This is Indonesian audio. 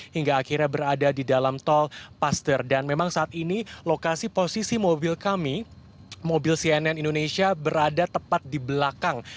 hingga akhirnya berada di dalam tol paster dan memang saat ini lokasi posisi mobil kami mobil cnn indonesia berada tepat di belakang